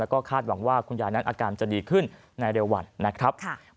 แล้วก็คาดหวังว่าคุณยายนั้นอาการจะดีขึ้นในเร็ววันนะครับ